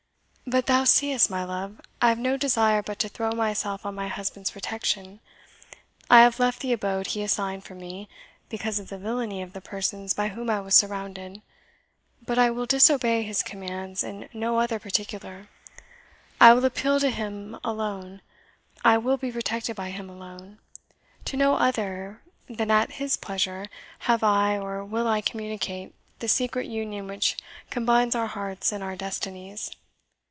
But thou seest, my love, I have no desire but to throw my self on my husband's protection. I have left the abode he assigned for me, because of the villainy of the persons by whom I was surrounded; but I will disobey his commands in no other particular. I will appeal to him alone I will be protected by him alone; to no other, than at his pleasure, have I or will I communicate the secret union which combines our hearts and our destinies.